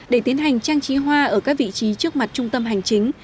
để tiến hành trang trí hoa ở các vị trí trước mặt trung tâm hành chính